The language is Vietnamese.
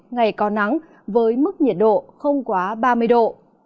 ngày có nắng với mức nhiệt độ không quá ba mươi độ